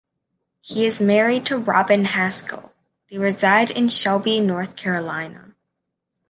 He is married to Robin Haskell, they reside in Shelby, North Carolina.